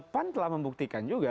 pan telah membuktikan juga